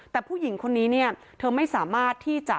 แต่ผู้หญิงคนนี้เนี่ยเธอไม่สามารถที่จะ